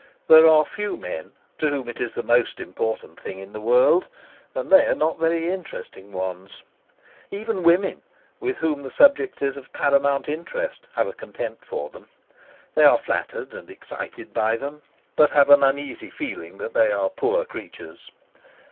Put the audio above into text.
There are few men to whom it is the most important thing in the world, and they are not very interesting ones; even women, with whom the subject is of paramount interest, have a contempt for them. They are flattered and excited by them, but have an uneasy feeling that they are poor creatures.